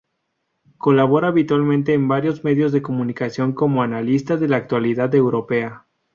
Colabora habitualmente en varios medios de comunicación como analista de la actualidad europea.